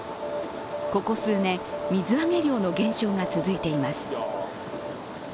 ここ数年、水揚げ量の減少が続いています。